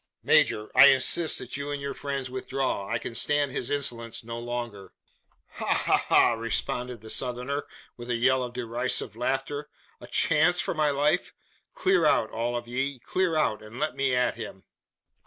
Major! I insist that you and your friends withdraw. I can stand his insolence no longer!" "Ha ha ha!" responded the Southerner, with a yell of derisive laughter; "a chance for my life! Clear out, all of ye clear out; and let me at him!"